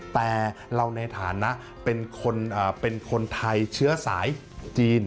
แต่เราในฐานะเป็นคนไทยเชื้อสายจีน